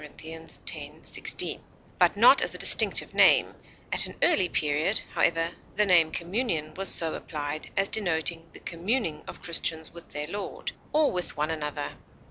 _ x, 16), but not as a distinctive name; at an early period, however, the name communion was so applied, as denoting the communing of Christians with their Lord, or with one another.